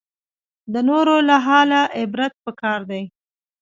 د نورو له حاله عبرت پکار دی